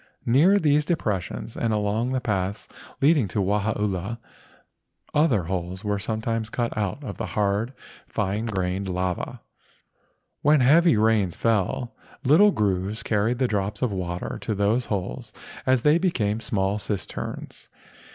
Near these depressions and along the paths leading to Wahaula other holes were sometimes cut out of the hard fine grained lava. When heavy rains fell, little grooves carried the drops of water to these holes and they became small cisterns.